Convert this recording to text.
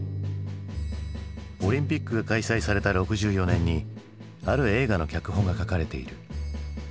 オリンピックが開催された６４年にある映画の脚本が書かれている。